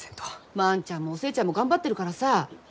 万ちゃんもお寿恵ちゃんも頑張ってるからさ。